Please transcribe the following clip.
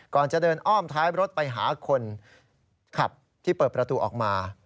ก่อนจะเดินอ้อมท้ายรถไปหาคนขับที่เปิดประตูออกมา